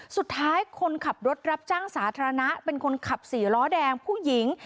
สุดท้ายคนขับรถรับจ้างสาธารณะเป็นคนขับสี่ล้อแดงผู้หญิง